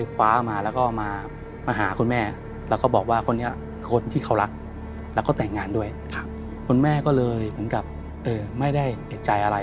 คุณแม่ก็เลยเหมือนกับไม่ได้เอกใจอะไร